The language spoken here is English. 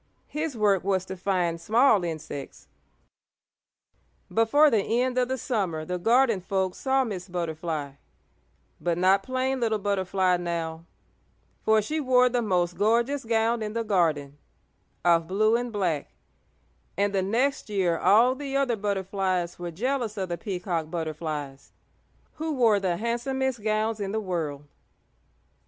His work was to find small insects. Before the end of the summer the garden folk saw Miss Butterfly, but not plain little Butterfly now, for she wore the most gorgeous gown in the garden, of blue and black, and the next year all the other butterflies were jealous of the Peacock Butterflies, who wore the handsomest gowns in the world.